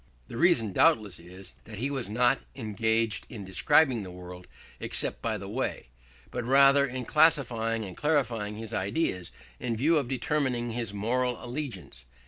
The reason doubtless is that he was not engaged in describing the world, except by the way, but rather in classifying and clarifying his ideas in view of determining his moral allegiance.